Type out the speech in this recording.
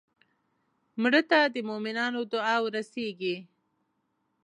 مړه ته د مومنانو دعا ورسېږي